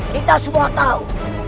kita semua tahu